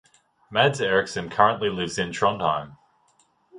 Mads Eriksen currently lives in Trondheim.